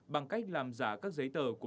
bằng cách làm giả các giấy tờ của